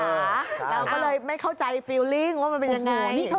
เราก็เลยไม่เข้าใจเพลงว่ามันเป็นอย่างไร